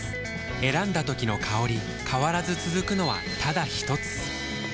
選んだ時の香り変わらず続くのはただひとつ？